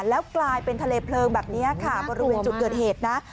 แล้วกลายเป็นทะเลเพลิงแบบนี้ค่ะบริเวณจุดเกิดเหตุนะ